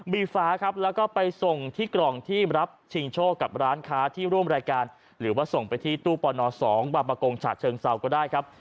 มีฟ้าครับแล้วก็ไปส่งที่กล่องที่รับชิงโชคกับร้านค้าที่ร่วมรายการหรือว่าส่งไปที่ตู้ปน๒บางประกงฉะเชิงเซาก็ได้ครับ